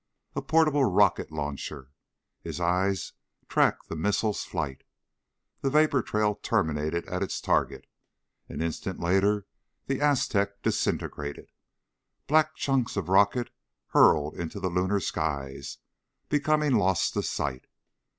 A portable rocket launcher! His eyes tracked the missile's flight. The vapor trail terminated at its target. An instant later the Aztec disintegrated. Black chunks of the rocket hurtled into the lunar skies, becoming lost to sight.